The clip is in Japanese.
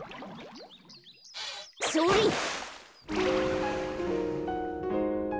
それっ！